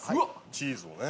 チーズをね。